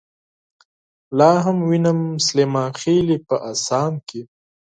لاهم وينم سليمانخيلې په اسام کې